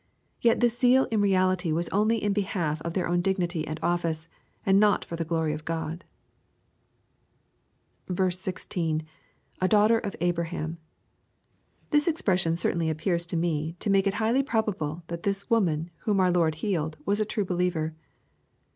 Yet this zeal in reality was only in behalf of their own dignity and office, and not for the glory of God. 6. — [A daughter of Abraham.l This expression certainly appears to me to make it highly probable, that this woman whom ouf Lord healed, was a true believer.